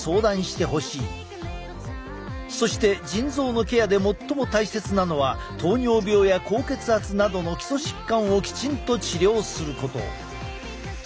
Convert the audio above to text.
そして腎臓のケアで最も大切なのは糖尿病や高血圧などの基礎疾患をきちんと治療すること。